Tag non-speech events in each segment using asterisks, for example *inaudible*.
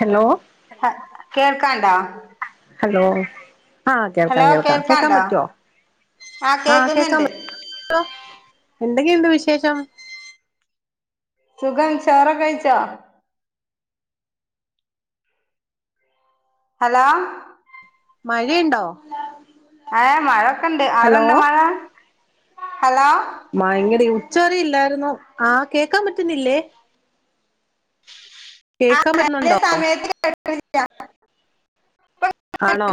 hello അ കേൾക്കാണ്ടാ hello ആ കേൾക്കാം കേൾക്കാം കേൾക്കാൻ കേൾക്കാണ്ടോ പറ്റുവോ ആഹ് അ കേക്കാ കേക്കുന്നുണ്ട് മ എന്തെങ്കെണ്ട് വിശേഷം സുഖം ചോറ് കഴിച്ചാ ഹലോ മഴയുണ്ടോ ഏമഴൊക്കെണ്ട് അവിടെ ഹലോ ണ്ട മഴ ഹലോ മയങ്കടി ഉച്ചവരെയില്ലായിന്നോ ആ കേൾക്കാൻ പറ്റുന്നില്ലേ ആഹ് കേൾക്കാൻ ചെല പറ്റുന്നുണ്ടോ സമയത്ത് കേൾക്കണില്ല ഇപ്പൊ ആണോ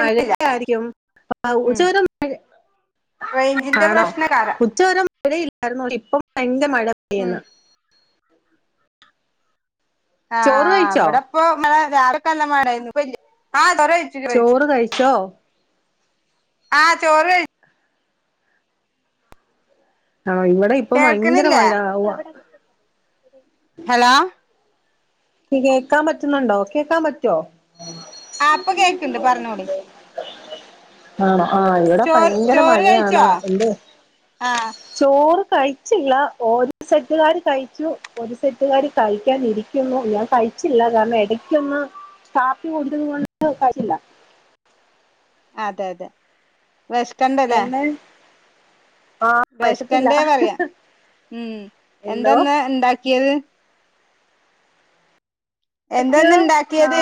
മഴ ആയിരിക്കും ഉം ഉച്ചവരെ മഴ റേഞ്ചിന്റെ അണോ പ്രശ്നകാരം ഉച്ചവരെ മഴ ഴ ഇല്ലായിരുന്നു ഇപ്പം ഭയങ്കര മഴ ഉം പെയ്യന്ന് ആ ചോറ് കഴിച്ചോ ഇവിടെപ്പ മ്മളെ രാവിലൊക്കെ നല്ല മായെന്നു ഇപ്പല്ല അ ചോറ് കഴിച്ചോ അ ചോറ് കഴി ആണോ ഇവിടെ ഇപ്പൊ ഭയങ്കര കേൾക്ക്ണില്ലേ മഴ ഉവ്വ ഹലോ കേക്കാൻ പറ്റുന്നുണ്ടോ കേക്കാൻ പറ്റോ അ ഇപ്പൊ കേൾണ്ട് പറഞ്ഞോളി അണെ ആ ഇവിടെ ചോറ് ഭയങ്കര ചോറ് മഴയാണ് കഴിച്ചോ എന്ത്‌ ആഹ് ചോറ് കഴിച്ചില്ല ഒരു സെറ്റുകാര് കഴിച്ചു ഒരു സെറ്റുകാര് കഴിക്കാൻരിക്കുന്നു ഞാൻ കഴിച്ചില്ല കാരണം ഇടക്കൊന്ന് കാപ്പി കുടിച്ചദ് കൊണ്ട് കഴിച്ചില്ല *inaudible* അതെ അതെ വിഷക്കണ്ടല്ലേ എന്നെ ആ വിശപ്പില്ല വേഷക്കാണ്ടെ പറയാ ഉം എന്തോ എന്തെന്ന് ഉണ്ടാക്കിയത് എന്തന്ന് ക്കെയോ ആ ഇണ്ടാക്കിയത്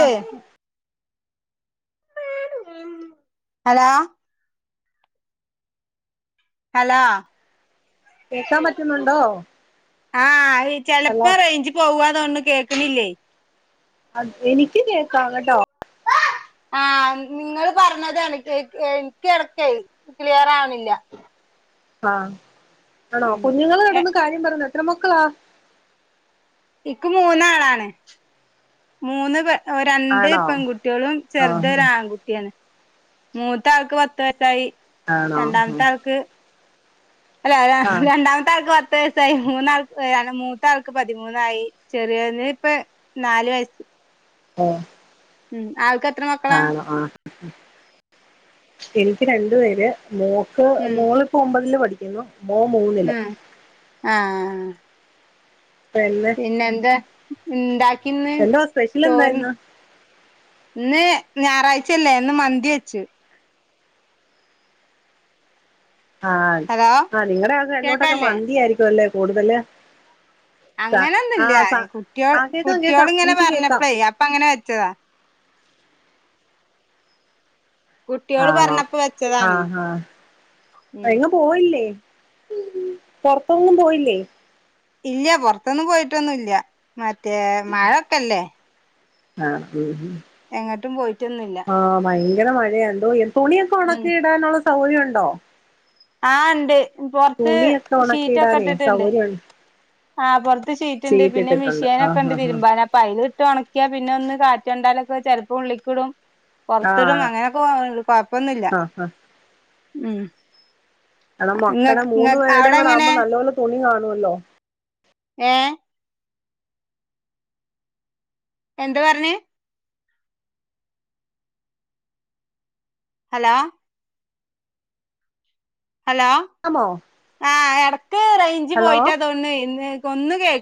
ഹലോ ഹലോ കേക്കാൻ പറ്റുന്നുണ്ടോ ആ അത് ഹലോ ചെലപ്പോ റേഞ്ച് പോവാന്ന് തോണ്ണു കേക്കണില്ലേയ് അത് എനിക്ക് കേക്കാ കെട്ടോ ആ നി നിങ്ങള് പറഞ്ഞത് എനിക്ക് എനിക്കെട്ക്കെയ് ക്ലിയർ ആവണില്ല ആ ആണോ ഉം കുഞ്ഞുങ്ങൾ എ കെടന്ന് കര്യം പറഞ്ഞ് എത്ര മക്കളാ ഇക്ക് മൂന്നാളാണ് മൂന്ന് പെ രണ്ട് ആണോ പെൺകുട്ടികളും ആ ചെറുത് ഒരു ആൺകുട്ടിയാണ് മൂത്തെ ആൾക്ക് പത്ത് വയസായി ആണോ രണ്ടാമത്തെ ആൾക്ക് അല്ല ആ രണ്ടാമത്തെ ആൾക്ക് പത്ത വയസായി മൂന്നാൾക്ക് ആ അല്ല മൂത്താൾക്ക് പതിമൂന്നായി ചെറിയോന് ഇപ്പ നാല് വയസ്സ് ആ ഉം ആൾക്ക് എത്ര മക്കളാ ആണോ എനിക്ക് രണ്ടു പേര് മോക്ക് ഉം മോള് പ്പോ ഒമ്പതില് പഠിക്ക *unintelligible* മോ മൂന്നില് ആ പിന്നെ എന്താ ഉണ്ടാക്കിന്ന് എന്തോ സ്പെഷ്യൽ എന്താ ചോറ് ഇന്ന് ഇന്ന് ഞാറാഴ്ചയല്ലേ ഇന്ന് മന്തി വെച്ച് ആ ഹലോ ആ നിങ്ങടെ ആ തെക്കോട്ടൊക്കെ കേക്കല്ലേ മന്തിയായിരിക്കും അല്ലേ കൂടുതല് സ അങ്ങനെൊന്നുല്ല്യ ആഹ് സ കുട്ടിയോൾ ആഹ് കേക്കാം കേക്കാം കുട്ടിയോള് ഇങ്ങനെ എനിക്ക് കേക്കാം പറഞ്ഞപ്പളെയ് അപ്പ അങ്ങനെ വെച്ചതാ ആ കുട്ടിയോള് പറഞ്ഞപ്പോ ആ വെച്ചതാണ് ആ ആ ഉം എങ്ങും പോണില്ലേ പൊർത്തൊങ്ങും പോയില്ലേ ഇല്ല പൊർത്തൊന്നും പോയിട്ടൊന്നുല്ല്യ മറ്റേ മഴൊക്കല്ലേ ആഹ് എങ്ങട്ടും പോയിറ്റൊന്നുല്ല്യ ഇങ്ങനെ മഴയാണ്ടോ തുണിയൊക്കെ ഒണക്കി ഇടാനുള്ള സൗകര്യ ഉണ്ടോ ആ ണ്ട് പൊറത്ത് തുണിയൊക്കെ ഒണക്കി ഷീറ്റൊക്കെ ഇടാനേ ഇട്ടിട്ട്ണ്ട് സൗകര്യം ആഹ് പൊർത്ത് ഷീറ്റ്ണ്ട് പിന്നെ ഷീറ്റിട്ടിട്ടുണ്ട് ആഹ് മിഷീനൊക്കെണ്ട് ആഹ് തിരുമ്പാന് അപ്പൊ അയില് ട്ട് ഒണക്കിയ പിന്നെ ഒന്ന് കാറ്റ് കണ്ടാലൊക്കെ ചെലപ്പോ ഉള്ളിക്കിടും പൊർത്തൊരു ആഹ് അങ്ങനെയൊക്കെ കൊഴപ്പൊന്നുല്ല്യ ആഹ് ആഹ് ആഹ് ഉം *unintelligible* മക്കള ഇങ്ങക്ക് മൂന്നു ഇങ്ങക്ക് അവിടെ പേരുടേയും കൂടെ എങ്ങനെ ആവുമ്പോ നല്ലപോലെ തുണി കാണുമല്ലോ ഏ എന്താ പറഞ്ഞ് ഹലോ ഹലോ ആമോ ആ എടക്ക് റൈഞ്ച് ഹലോ പോയിട്ടാ തോണ്ണ് ഇന്ന് കൊന്ന് കേ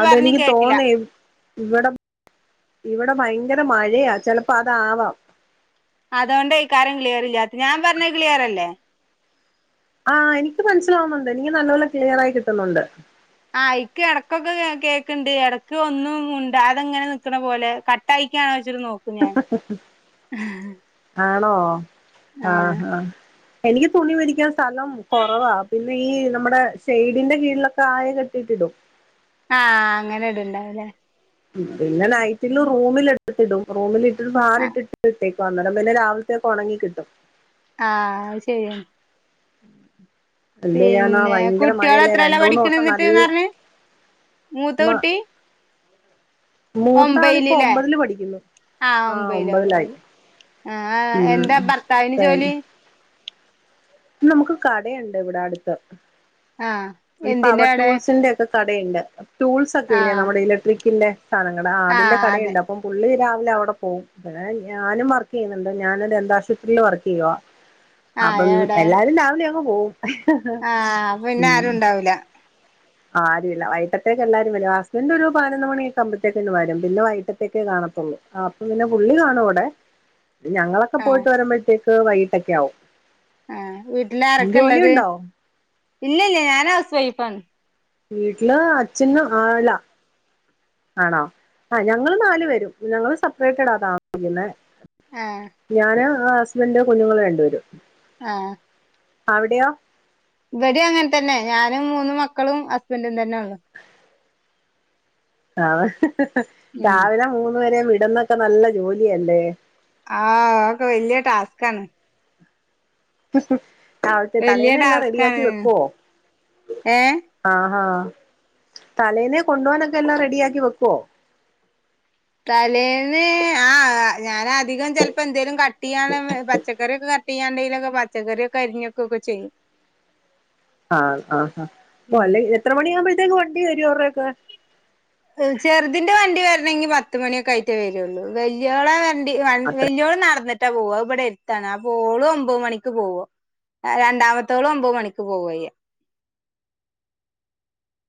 അതെനിക്ക് തോന്നി ഇവിടെ ഇവിടെ അവിടെ ഭയങ്കര മഴയാ ചെപ്പോ അതാവാം അതോണ്ടയ്ക്കാരം ക്ലിയർല്ലാത്തത് ഞാൻ പറഞ്ഞത് ക്ലിയറല്ലേ ആഹ് എനിക്ക് മനസ്സിലാവുന്നുണ്ട് എനിക്ക് നല്ലപോലെ ക്ലിയർ ആയി കിട്ടുന്നുണ്ട് ആ ഇക്ക് എടക്കൊക്കെ കേക്ക്ണ്ട് എടക്ക് ഒന്നും ഉണ്ട് അതെങ്ങനെ നിക്ക്ണ പോലെ കട്ടായിക്കാണോ ഇജ്ജിത് നോക്കുമോ ണോ ആഹാ എനിക്ക് തുണി വിരിക്കാൻ സ്ഥലം കൊറവാ പിന്നെ ഈ നമ്മടെ ഷെയ്ഡിന്റെ കീഴിലൊക്കെ ആയ കെട്ടിയിട്ട് *unintelligible* ആ അങ്ങനെട്ണ്ടാവുല്ലേ ഉം പിന്നെ നൈറ്റില് റൂമിലിട്ടിട്ട് ഇടും റൂമിലിട്ടിട്ട് ആ ഭാന് ഇട്ടിട്ട്ട്ടേ അന്നേരം പിന്നെ രാവിലത്തക്കെ ഒണങ്ങി കിട്ടും ആ ആത്ശരിയാണ് *unintelligible* ചെയ്യാനാ പിന്നെ ഭയങ്കര കുട്ടികൾ മഴയല്ലേ എത്രയേലാ രണ്ട് മൂന്ന് പഠിക്ക്ണ് ദിവസം നല്ല ന്നിട്ട്ന്നറഞ്ഞ് മൂത്ത മ കുട്ടി മൂത്ത ആളിപ്പോ ഒമ്പേയ്ല്ല്ലേ ഒമ്പതില് പഠിക്കുന്നു ആ ആഹ് ഒമ്പയ്‌ല് ഒമ്പതിലായി ഒമ്പയ്ല് ആഹ എന്താ ഉം ഭർത്താവിന് ജോലി നമുക്ക് കടയുണ്ട് ഇവിടെ അടുത്ത് ആഹ് ഈ എന്തിന്റെ പവർ അവിടെ ടൂൾസിന്റെ ഒക്കെ കടയുണ്ട് ടൂൾസ് ഒക്കെ ഇല്ല ആഹ് നമ്മുടെ ഇലക്ട്രിക്കിന്റെ സാധനങ്ങൾ അതിന്റെ ആഹ് അതെ കടയുണ്ട് അപ്പം പുള്ളി അ അവിടെ പോവും പിന്നെ ഞാനും വർക്ക് ചെയ്യുന്നുണ്ട് ഞാന ദന്താ ശുപത്രിൽ വർക്ക് ചെയ്യുവ ആഹ് എടെ എല്ലാരും രാവിലെ അങ്ങ് പോകും ആഹ് അപ്പൊ ഉ പിന്നെ ആരും ഉണ്ടാവൂല ആരില്ലല്ല വൈറ്റത്തേക്ക് എല്ലാരും വര ഹസ്ബൻഡറ് ഒരു പതിനൊ മണിയൊക്കെകുമ്പത്തേക്കന്നന്ന് വരുംന്നെ വൈകിത്തേക്ക് കാണ കാണത്തൊള്ളൂ അപ്പൊ പിന്നെ പുള്ളി കാണും അവിടെ ഞങ്ങളൊക്കെ ആഹ് പോയിട്ട് വരുമ്പോഴത്തേക്ക് വൈകട്ടൊക്കെ ആവും ആഹ വീട്ടില ആാരൊക്കെ ഉള്ളത് ജോലിയുണ്ടോ ഇല്ല ഇല്ല ഞാൻ ഹൗസ് വൈഫാന്ന് വീട്ടില് അച്ഛനും ആല്ല ആണോ ആ ഞങ്ങള്ൾ നാല് പേരും ഞങ്ങള് സെപ്പറേറ്റ് ഇടാ താമസിക്കുന്നത് ആഹ് ഞാന് ആ ഹസ്ബൻഡ കുഞ്ഞുങ്ങള് രണ്ട് പേരും ആഹ അവിടെയാ ഇവിടെ അങ്ങനെ തന്നെ ഞാനാന് മൂന്ന മക്കളും ഹസ്ബൻറും തന്നെ ഉള്ളു ആ ഉം രാവിലെ മൂന്ന പേരെ വിടന്നൊക്കെ നല്ല ജോലിയല്ലേ ആഹ ഒക്കെ വല്യ ടാസ്കാണ് അ ആ വല്യ തലേന്ന എല്ലാം റെഡിയ ആക്കി ടാസ്കാണ് വെക്കുവോ ഏഹ് ആഹ ആഹ തലേന്നെ കൊണ്ടുപോനൊക്കെ എല്ലാം റെഡിയ ആക്കി വെക്കുവോ തലേന്ന് ആ ഞാന അധികം ചിലപ്പോ എന്തേലും ക കട്ട് ചെയ്യാന പച്ചക്കറിയൊക്കെ കട്ട് ചെയ്യാണ്ടെലൊക്കെ പച്ചക്കറിയൊെരിഞ്ഞൊക്കെ വെക്കുകേം ചെയ്യും ആഹ് ആഹാ അപ്പ ഉം അല്ലെ എത്ര മണാകുമ്പോഴത്തേക്ക് വണ്ടി വരും അവരുടെയൊക്കെ ചെറുതിന്റെ വണ്ടി വരണമെങ്കി പത്തു മണിയൊക്കെ ആയിട്ടേ വരുള്ളൂ വല്യോള വണ്ടി അത്ര വലിയോള നടന്നിട്ടാ പോവ ഇവിടെ എടുത്താണ് അപ്പോഓളും ഒമ്പത് മണിക്ക് പോവോ രണ്ടാമത്തോളം ഒമ്പത് മണിക്ക് പോവയ്യ അം *inaudible*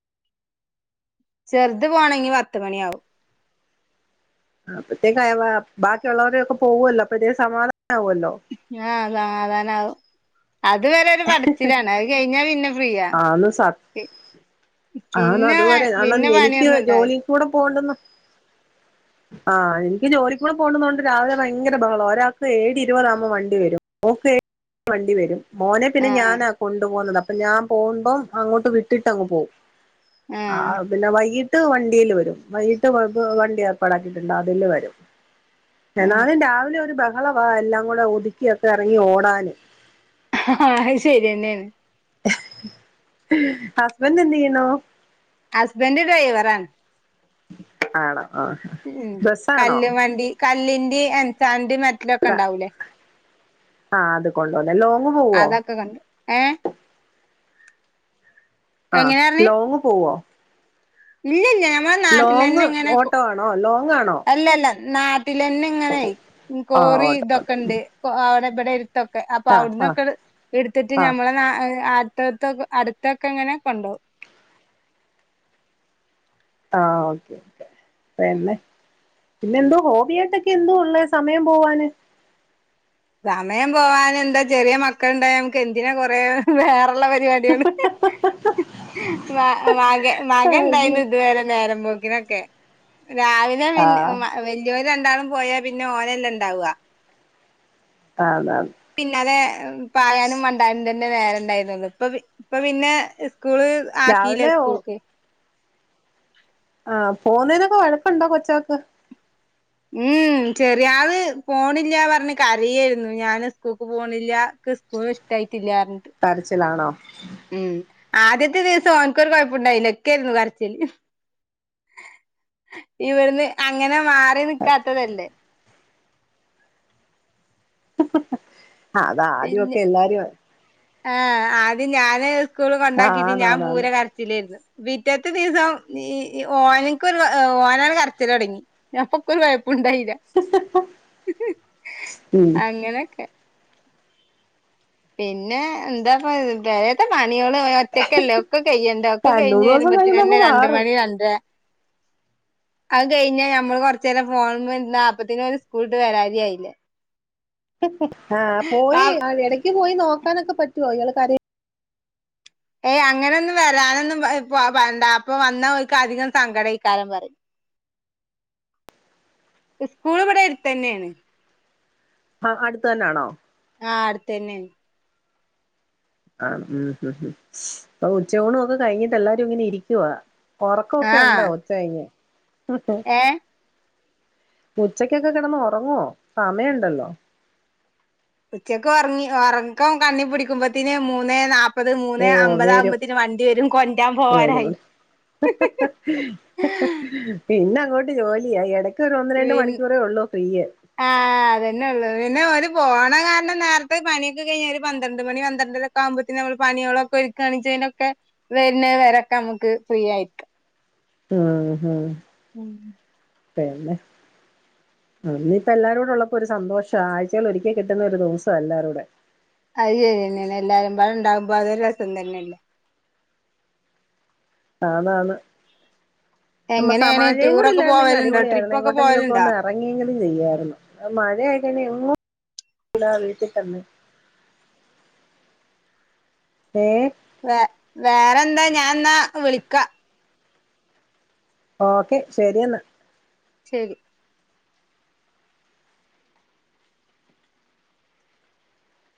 ചെറുത് പോണെങ്കി പത്ത് മണി ആവും ആ അപ്പത്തേക്ക് അയ ബാക്കിയുള്ളവരൊക്കെ പോവല്ലോ അപ്പത്തേക്ക് സമാധാനമാവുമല്ലോ ആഹ് സമാധാനാവും അത് വരെ ഒരു പടച്ചിലാണ് അത് കഴിഞ്ഞാ പിന്നെ ഫ്രീയാ ആണ് പിന്നെ അതുവരെ പ- കാരണം പിന്നെ എനിക്ക് പണിയൊന്നും ജോലി ഉണ്ടാവില്ല കൂടെ പോവണ്ടന്ന് ആഹ് എനിക്ക് ജോലിക്കൂടെ പോണ്ടുന്ന കൊണ്ട് രാവിലെ ഭയങ്കര ബഹളം ഒരാൾക്ക് ഏഴ് ഇരുപതാകുമ്പോൾ വണ്ടി വരും *unintelligible* വണ്ടി വരും മോനെ പിന്നെ ആഹ് ഞാനാ കൊണ്ടു പോകുന്നത് അപ്പൊ ഞാൻ പോകുമ്പം അങ്ങോട്ട് വിട്ടിട്ടങ്ങ് പോകും ആഹ് പിന്നെ വയിട്ട് ഇട്ട് വണ്ടീല് വരും വൈട്ട് വണ്ടി ഏർപ്പാടാക്കിയിട്ടുണ്ട് അതില് വരും ആഹ് എന്നാലും രാവിലെ ഒരു ബഹളവാ എല്ലാം കൂടെ ഒതുക്കിയൊക്കെ എറങ്ങി ഓടാന് ആ അത് ശരി തന്നെയാണ് ഹസ്ബൻഡ് എന്ത് ചെയ്യുന്നു ഹസ്ബൻഡ് ഡ്രൈവറാണ് ആണോ ആ ഉം ബസ്സാണോ കല്ലും വണ്ടി കല്ലിന്റെ എൻസാന്റെ മെറ്റലൊക്കെ ഉണ്ടാവൂലേ ആഹ് അത് കൊണ്ടോണ ലോങ്ങ് പോവോ അതൊക്കെ കണ്ട് ഏഹ് ആ എങ്ങനെയാ പറഞ്ഞ് ലോങ് പോവോ ഇല്ലില്ല ഞ ലോങ് ഓട്ടോ ആണോ ലോങ് ആണോ അല്ലല്ല നാട്ടിലെന്നെ ഇങ്ങനെയി ആ കോറി ഓട്ടോ ഇതൊക്കെ ഓട്ടോ ഉണ്ട് അവിടെ ഇവിടെ ത്തൊക്കെ അപ്പൊ ആ ആ അവിടന്നൊക്കെ എടുത്തിട്ട് ആ ഞമ്മളെ നാ അ അടുത്തടുത്തൊക്കെ അടുത്തൊക്കെ ഇങ്ങനെ കൊണ്ടോവും ആഹ് ഓക്കെ ഓക്കെ പിന്നെ പിന്നെ എന്തോ ഹോബിയായിട്ടൊക്കെ എന്തോ ഉള്ള സമയം പോവാന് സമയം പോവാന് എന്താ ചെറിയ മക്കൾണ്ടായ നമുക്ക് എന്തിനാ കൊറെേ വേറെ ഉള്ള പരിപാടികള് മ മക മകൻ ഇണ്ടായിരുന്നു ഇതുവരെ നേരമ്പോ ഇങ്ങനൊക്കെ രാവിലെ പിന്നെ ആഹ് മ് വെല്യോ രണ്ടാളും പോയാ പിന്നെ ഓനല്ലേ ഇണ്ടാവുക അതാണ് പിന്നാലെ പായാനും മണ്ടാനും തന്നെ നേരെ ഉണ്ടായിരുന്നുള്ള ഇപ്പൊ ഇപ്പൊ പിന്നെ സ്കൂള് ആക്കിയില്ലേ രാവിലെ ഓ സ്കൂൾക്ക് ആഹ് പോവുന്നേനൊക്കെ വഴക്കുണ്ടോ കൊച്ചക്ക് ഉം ഉ ചെറിയാള് പോണില്ല പറഞ്ഞ് കരയായിരുന്നു ഞാൻ സ്കൂൾക്ക് പോണില്ല ഇക്ക് സ്കൂൾ ഇഷ്ടമായി കരച്ചിലാണോ ഉം ആദ്യത്തെ ദിവസം ഓനിക്കൊരു കൊഴപ്പുണ്ടായില്ല ഇക്കായിരുന്നു കരച്ചില് ഇവിടുന്ന് അങ്ങനെ മാറി നിക്കാത്തതല്ലേ ആ അതാദ്യൊക്കെ എല്ലാരു ആ ആദ്യം ഞാന് സ്കൂള് ആഹ് കൊണ്ടാക്കിട്ട് ഞാൻ ആന്നാന്നാന്ന് പൂരെ കരച്ചിലായിരുന്നു പിറ്റത്തെ ദിവസം ഈ ഓന്ക്ക് ഒരു ഓനാണ് കരച്ചില് തൊടങ്ങി അപ്പൊ ഇൻക്ക് ഒരു ഉണ്ടായില്ല ഉം അങ്ങനൊക്കെ പിന്നെ എന്താ ഇപ്പോ പെരേത്തെ പണി പണിയോള് ഒറ്റക്കല്ലേ ഒക്കെ കഴിയണ്ടേ ഒക്കെ രണ്ട് കഴിഞ്ഞ് മൂന്ന് ദിവസം കഴിയുമ്പോ അങ്ങ് വരുമ്പോത്തന്നെ രണ്ട് മാറും മണി രണ്ടര അത് കഴിഞ്ഞാ ഞമ്മള് കൊറച്ചേരം ഫോണ് മ്മേ ഇരുന്നാ അപ്പത്തേനും ഓര് സ്കൂള് വിട്ട് വരാതി ആയില്ലേ ആഹ് പോയി ഇടക്ക് പോയി നോക്കാനൊക്കെ പറ്റുവോ ഇയാള് കരയുമ്പോ ഏയ് അങ്ങനെയൊന്നും വരാനൊന്നും പ് വ വേണ്ട അപ്പൊ വന്നാ ഓലിക്ക് അധികം സങ്കടം *unintelligible* പറയും സ്കൂൾ ഇവിടെ എടുത്ത തന്നെയാണ് ആഹ് അടുത്ത തന്നാണോ ആഹ് അടുത്തന്നെ ആഹ് ഉം പ്പൊ ഉച്ചോണ ഒക്കെ കഴിഞ്ഞിട്ട് എല്ലാരും ഇങ്ങനെ ഇരിക്കുവാ ഉറക്കൊക്കെ ഉണ്ടോ ആഹ് ഉച്ച കഴിഞ്ഞ് ഏഹ് ഉച്ചക്കൊക്കെ കിടന്ന് ഉറങ്ങുവോ സമയമുണ്ടല്ലോ ഉച്ചക്ക ഉറങ്ങി ഉറക്കം കണ്ണി പിടിക്കുമ്പോത്തിന് മൂന്ന് നാപ്പ പ്പത് മൂന്ന് ഓഹ് വരും അമ്പതാകുമ്പോത്തിന് വണ്ടി വരും കൊണ്ടരാൻ വരും പോകാനായി പിന്നെ അങ്ങോട്ട് ജോലിയായി ഇടക്ക് പി ആഹ് അതന്നെ ഉള്ളത് പിന്നെ വരും പോണ കാരണം നേരത്തെ പണിയൊക്കെ കഴിഞ്ഞ ഒരു പന്ത്രണ്ട് മണി പന്ത്രണ്ടിലൊക്കെ ആവുമ്പോത്തന്ന നമ്മൾ പണികളൊക്കെ ഒരുക്കുകയാണെങ്കിൽ ക്കെ വരുന്ന വരൊക്കെ നമുക്ക് ഫ്രീ ആയിരിക്കാം ആഹ് ഉം ഹ അല്ലെ ഇന്നിപ്പോ എല്ലാരൂട ഉള്ളപ്പോ ഒരു സന്തോഷം ആഴ്ചകൾ ഒരിക്കൽ കിട്ടുന്ന ഒരു ദിവസം എല്ലാരൂടെ അത് ശരി എന്നന്നെ എല്ലാരും ബാടെ ഉണ്ടാകുമ്പോ അതൊരു രസം തന്നെയല്ലേ ആന്നാന്ന് നമ്മ സ എങ്ങനെയാണ് മഴയെം കൂടി ടൂറൊക്കെ ഇല്ലായിരുന്നെങ്ക പോവലുണ്ടോ അടിപൊളിയായിയി ട്രിപ്പൊക്കെ എങ്ങോട്ടെങ്കിലുംക്കെ പോവലുണ്ടോ ഒന്ന് ഇറങ്ങിയെങ്കിലും ചെയ്യായിരുന്നു മഴയൊക്കെ എങ്ങോട്ടും ഇല്ല വീട്ടിൽ തന്നെ ഇരിക്കും ഏഹ് വേ വേറെന്താ ഞാൻ ന്നാ വിളിക്കാ ഓക്കെ ശരിയെന്നാ ശരി